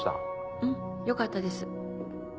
うんよかったです。